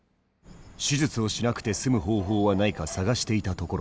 手術をしなくて済む方法はないか探していたところ